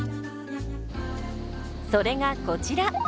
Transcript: それがこちら。